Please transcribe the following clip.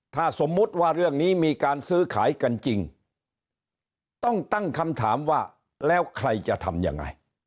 ถ้าสมมุติว่าเรื่องนี้มีการซื้อขายกันจริงต้องตั้งคำถามว่าแล้วใครจะทำยังไง